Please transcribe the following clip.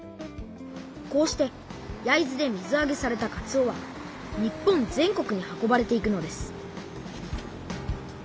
こうして焼津で水あげされたかつおは日本全国に運ばれていくのです